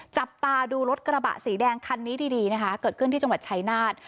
จับตาดูรถกระบะสีแดงคันนี้ดีนะคะเกิดขึ้นที่จังหวัดชายนาฏ